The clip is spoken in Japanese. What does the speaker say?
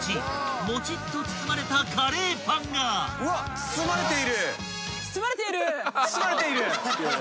もちっと包まれたカレーパンが］包まれている！